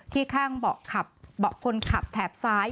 ข้างเบาะขับเบาะคนขับแถบซ้าย